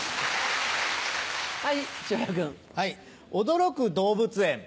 驚く動物園。